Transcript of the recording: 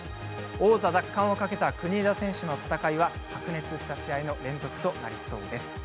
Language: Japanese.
王座奪還をかけた国枝選手の戦いは白熱した試合の連続となりそうです。